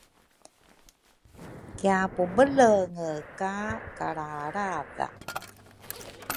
kiapubelenge ka kalralradha.